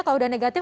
kalau udah negatif